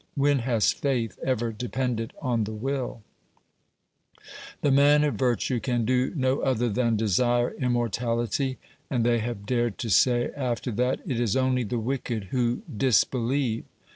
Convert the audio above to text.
When has faith ever depended on the will ? The man of virtue can do no other than desire immor tality, and they have dared to say after that : It is only the wicked who disbelieve.